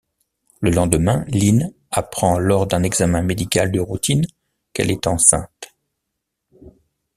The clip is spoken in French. Le lendemain, Lynn appernd lors d'un examen médical de routine qu'elle est enceinte.